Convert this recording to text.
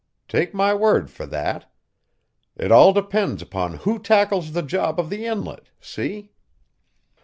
Take my word for that. It all depends upon who tackles the job of the inlet, see?"